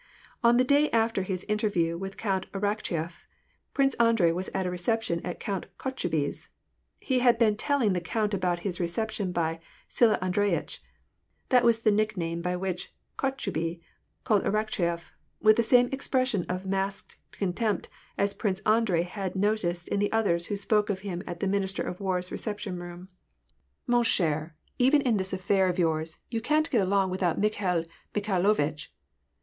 On the day after his interview with Count Arakcheyef, Prince Andrei was at a reception at Count Kotchubey's. He had been telling the count about his reception by "Sila An dreyitch." That was the nickname by whicn Kotchubey called Arakcheyef, with the same expression of masked contempt as Prince Andrei had noticed in the way others spoke of him at the minister of war's reception room. WAR AND PEACE. 167 " Mon cheTj even in this affair of yours, yon can't get along without Mikhail Mikhailovitch.